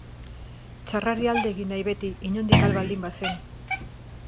Txarrari alde egin nahi beti, inondik ahal baldin bazen.